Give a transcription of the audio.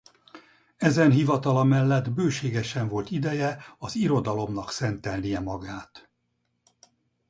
Ezen hivatala mellett bőségesen volt ideje az irodalomnak szentelnie magát.